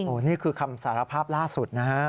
นี่คือคำสารภาพล่าสุดนะฮะ